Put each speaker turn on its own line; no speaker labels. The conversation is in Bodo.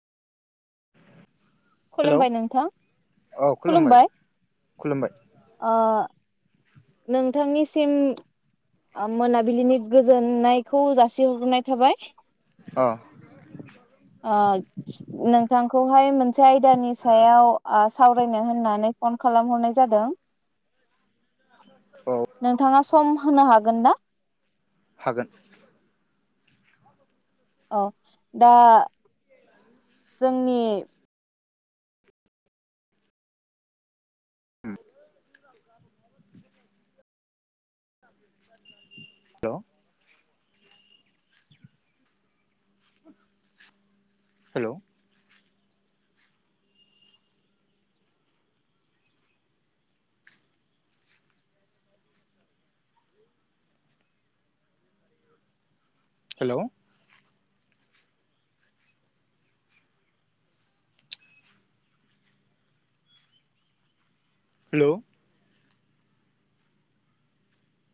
हेलौ
खुलुमबाय नोंथां खुलुमबाय
खुलुमबाय
ओ नोंथांनिसिम मोनाबिलिनि गोजोननायखौ जासिहग्रोनाय थाबाय।
अ
नोंथांखौहाय मोनसे आयदानि सायाव आ सावरायनो होननानै फन खालामहरनाय जादों।
औ
नोंथांङा सम होनो हागोन ना?
हागोन।
औ दा जोंनि
[unintelligible] [unintelligible]
[inaudible]
हेलौ हेलौ हेलौ